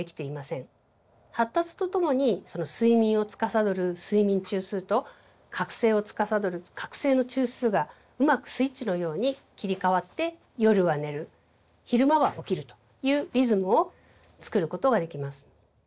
発達とともにその睡眠をつかさどる睡眠中枢と覚醒をつかさどる覚醒の中枢がうまくスイッチのように切り替わって夜は寝る昼間は起きるというリズムをつくることができます。